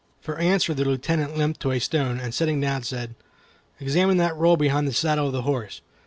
For answer the Lieutenant limped to a stone, and sitting down, said: "Examine that roll behind the saddle of the horse.